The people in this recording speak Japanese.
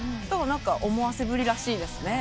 思わせぶりらしいですね。